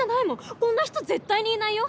こんな人絶対にいないよ。